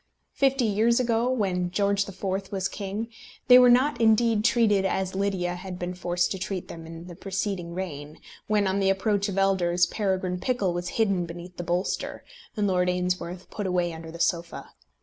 Fifty years ago, when George IV. was king, they were not indeed treated as Lydia had been forced to treat them in the preceding reign, when, on the approach of elders, Peregrine Pickle was hidden beneath the bolster, and Lord Ainsworth put away under the sofa.